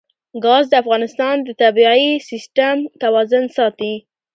ګاز د افغانستان د طبعي سیسټم توازن ساتي.